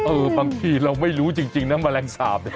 เออบางทีเราไม่รู้จริงนั่นแมลงสาบ